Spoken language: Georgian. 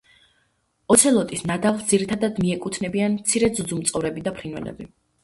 ოცელოტის ნადავლს ძირითადად მიეკუთვნებიან მცირე ძუძუმწოვრები და ფრინველები.